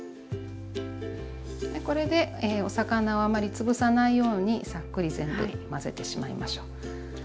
これでお魚をあまり潰さないようにさっくり全部混ぜてしまいましょう。